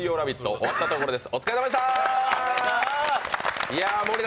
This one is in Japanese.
終わったところです。